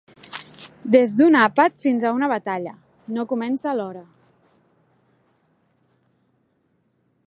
Des d'un àpat fins a una batalla, no comença a l'hora.